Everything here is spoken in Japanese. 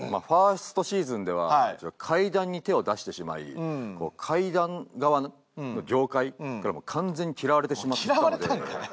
ファーストシーズンでは怪談に手を出してしまい怪談側の業界からもう完全に嫌われてしまったので。